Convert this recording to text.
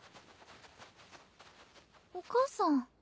お母さん。